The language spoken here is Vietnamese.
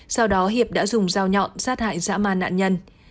sau đó hiệp đã dùng dao nhọn sát hại dã man nạn nhân